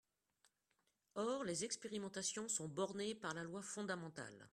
Or les expérimentations sont bornées par la loi fondamentale.